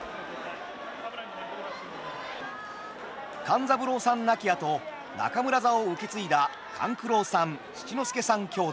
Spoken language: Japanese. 勘三郎さん亡き後中村座を受け継いだ勘九郎さん七之助さん兄弟。